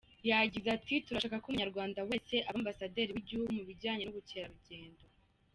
Yagize ati “Turashaka ko umunyarwanda wese aba ambasaderi w’igihugu mu bijyanye n’ubukerarugendo.